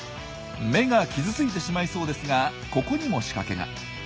目が傷ついてしまいそうですがここにも仕掛けが。